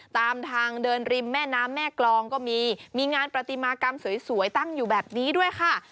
ตามทางเดินริมแม่น้ำแม่กรองก็มีมีงานประติมากรรมสวยตั้งอยู่แบบนี้ด้วยค่ะ